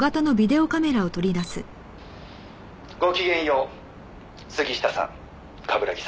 「ごきげんよう杉下さん冠城さん」